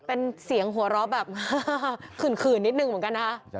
เป็นเสียงหัวเราะแบบขื่นนิดนึงเหมือนกันนะคะ